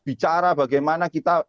bicara bagaimana kita